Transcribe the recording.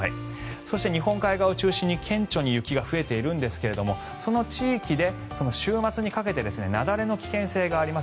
そして、日本海側を中心に顕著に雪が増えているんですがその地域で週末にかけて雪崩の危険性があります。